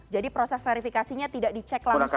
jadi proses verifikasinya tidak dicek langsung begitu